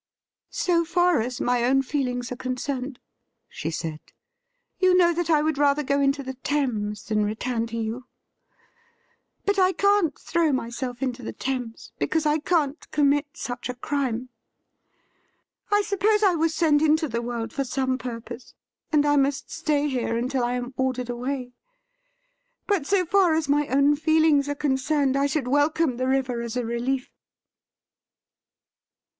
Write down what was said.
' So far as my own feelings are concerned,' she said, ' you know that I would rather go into the Thames than return to you. But I can't throw myself into the Thames, because I can't commit such a crime. I suppose I was sent into the world for some purpose, and I must stay here until I am ordered away. But so far as my own feelings are concerned, I should welcome the river as a relief.'